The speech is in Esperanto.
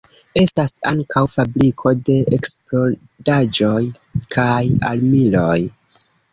Estas ankaŭ fabriko de eksplodaĵoj kaj armiloj.